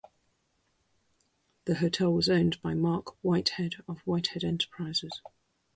The hotel was owned by Mark Whitehead of Whitehead Enterprises.